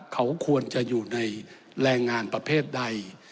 เขาควรจะอยู่ในแรงงานประเภทใด